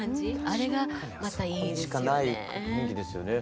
あれがまたいいですよね。